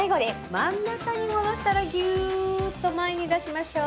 真ん中に戻したら、ぎゅーっと前に出しましょう。